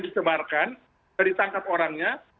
disebarkan jadi tangkap orangnya